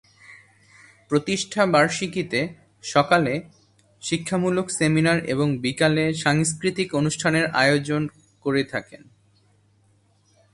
প্রতিষ্ঠা বার্ষিকীতে সকালে শিক্ষামূলক সেমিনার এবং বিকালে সাংস্কৃতিক অনুষ্ঠানের আয়োজক করে থাকেন।